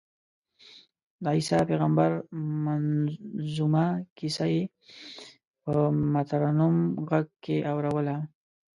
د عیسی پېغمبر منظمومه کیسه یې په مترنم غږ کې اورووله.